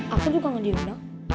aku juga gak diundang